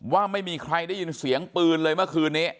ว่าไม่มีใครได้ยินเสียงปืนเลยเมื่อคืนนี้